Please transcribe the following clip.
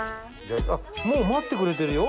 あっもう待ってくれてるよ。